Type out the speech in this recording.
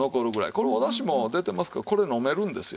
これおだしも出てますからこれ飲めるんですよ。